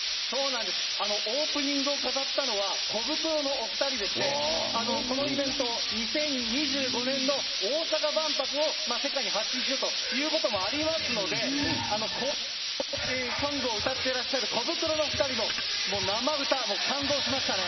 そうなんです、オープニングを飾ったのは、コブクロのお２人でして、このイベント、２０２５年の大阪万博を世界に発信しようということもありまして、公式ソングを歌ってらっしゃるコブクロのお２人の生歌、もう感動しましたね。